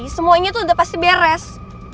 semuanya tuh udah pasti beres